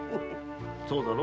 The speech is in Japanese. そうだろ。